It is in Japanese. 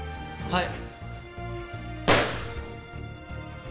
はい。